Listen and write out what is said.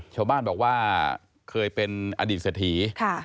ชาวบ้านบอกว่าเคยเป็นอดีตเศรษฐี